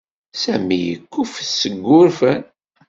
Sami yekkuffet seg wurfan.